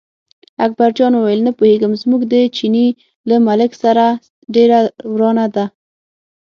اکبرجان وویل نه پوهېږم، زموږ د چیني له ملک سره ډېره ورانه ده.